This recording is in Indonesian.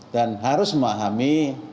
dan harus memahami